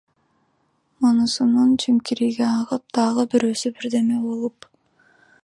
Мунусунун чимкириги агып, дагы бирөөсү бирдеме болуп!